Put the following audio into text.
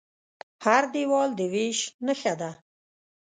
هر دیوال د وېش نښه ده.